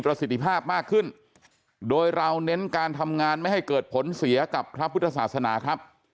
สิทธิภาพมากขึ้นโดยเราเน้นการทำงานไม่ให้เกิดผลเสียกับพระพุทธศาสนาครับ